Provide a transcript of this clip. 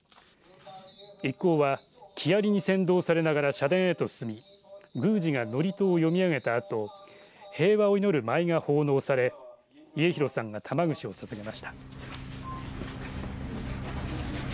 一行は木遣りに先導されながら社殿へと進み宮司が祝詞を読み上げたあと平和を祈る舞が奉納され家広さんが玉串をささげました。